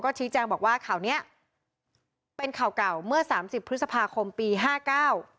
ชี้แจงบอกว่าข่าวเนี้ยเป็นข่าวเก่าเมื่อสามสิบพฤษภาคมปีห้าเก้า